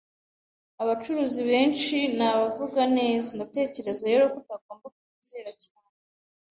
Abacuruzi benshi ni abavuga neza, ndatekereza rero ko utagomba kubizera cyane.